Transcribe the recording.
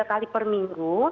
tiga kali per minggu